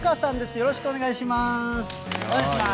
よろしくお願いします。